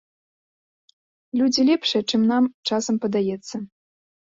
Людзі лепшыя, чым нам часам падаецца.